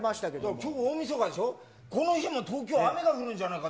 きょう、大みそかでしょ、この日も東京、雨が降るんじゃないかって。